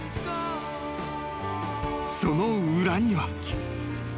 ［その裏には］